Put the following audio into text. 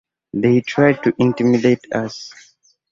They tried to intimidate us.